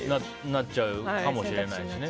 なっちゃうかもしれないしね。